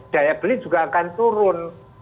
daya beli juga akan turun